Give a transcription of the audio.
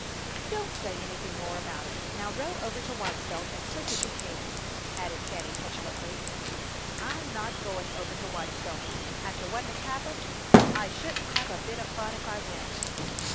"Don't say anything more about it. Now row over to Whitestone as quick as you can," added Fanny, petulantly. "I'm not going over to Whitestone, after what has happened. I shouldn't have a bit of fun if I went."